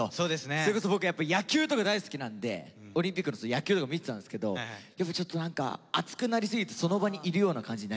それこそ僕野球とか大好きなんでオリンピック野球とか見てたんですけどやっぱちょっと何か熱くなりすぎてその場にいるような感じになりましたもんね。